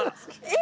え？